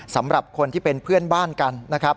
สำหรับคนที่เป็นเพื่อนบ้านกันนะครับ